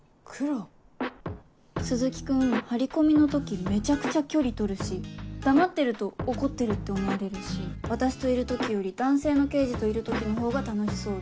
鈴木君張り込みの時めちゃくちゃ距離取るし黙ってると怒ってるって思われるし私といる時より男性の刑事といる時のほうが楽しそうで。